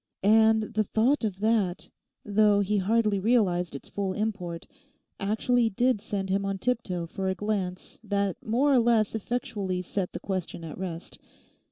And the thought of that—though he hardly realised its full import—actually did send him on tip toe for a glance that more or less effectually set the question at rest.